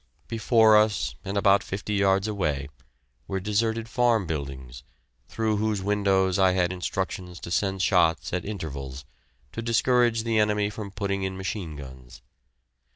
Before us, and about fifty yards away, were deserted farm buildings, through whose windows I had instructions to send shots at intervals, to discourage the enemy from putting in machine guns.